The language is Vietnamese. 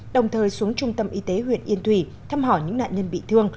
đồng thời xuống trung tâm y tế huyện yên thùy thăm hỏi những nạn nhân bị thương